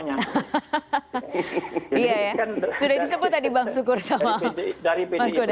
sudah disebut tadi bang sukur sama mas kudari